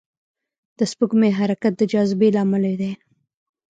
د سپوږمۍ حرکت د جاذبې له امله دی.